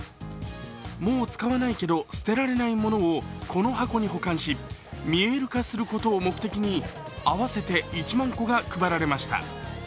もう使わないけど捨てられないものをこの箱に保管し、見える化することを目的に合わせて１万個が配られました。